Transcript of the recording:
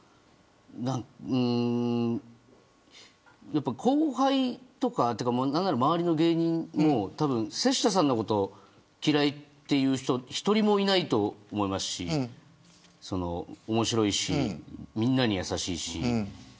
やっぱり後輩とか何なら周りの芸人も瀬下さんのこと嫌いっていう人一人もいないと思いますし面白いし、みんなにやさしいし。